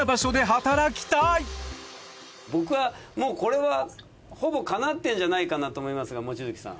僕はもうこれはほぼかなってんじゃないかなと思いますが望月さん。